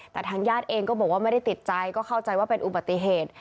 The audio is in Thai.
แต่ทางญาติเองก็บอกว่าไม่ได้ติดใจก็เข้าใจว่าเป็นอุบัติเหตุ